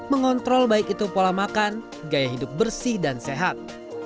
mengontrol baik itu pola makan gaya hidup bersih dan sehat